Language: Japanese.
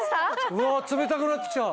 うわっ冷たくなって来た。